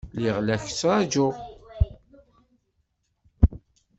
Lliɣ la k-ttṛajuɣ.